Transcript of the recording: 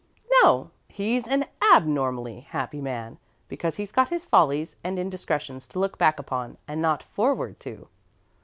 "No. He's an _ab_normally happy man, because he's got his follies and indiscretions to look back upon and not forward to."